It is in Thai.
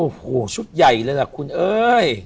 โอ้โหชุดใหญ่เลยล่ะคุณเอ้ย